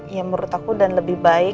ya menurut aku dan lebih baik